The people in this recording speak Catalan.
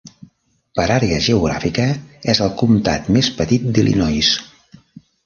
Per àrea geogràfica, és el comtat més petit d'Illinois.